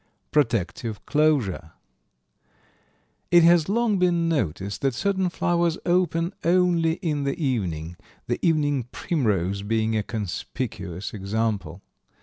Protective closure. It has long been noticed that certain flowers open only in the evening, the evening primrose being a conspicuous example.